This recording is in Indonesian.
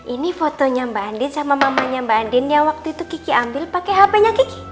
ini fotonya mbak andin sama mamanya mbak andin yang waktu itu kiki ambil pake hpnya kiki